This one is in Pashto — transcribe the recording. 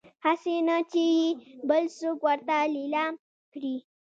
هسي نه چې يې بل څوک ورته ليلام کړي